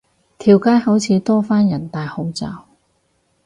條街好似多返人戴口罩